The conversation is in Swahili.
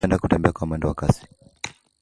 Mimi hupenda kutembea kwa mwendo wa kasi.